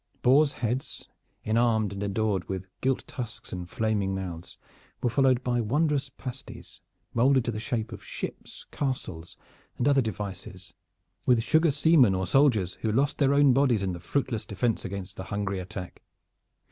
Boar's heads, enarmed and endored with gilt tusks and flaming mouths, were followed by wondrous pasties molded to the shape of ships, castles and other devices with sugar seamen or soldiers who lost their own bodies in their fruitless defense against the hungry attack.